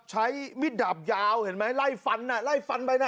มิดดาบยาวเห็นไหมไล่ฟันน่ะไล่ฟันไปน่ะ